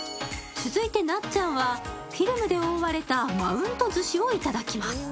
続いて、なっちゃんはフィルムで覆われたマウント寿司をいただきます。